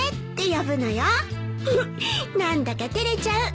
フフッ何だか照れちゃう。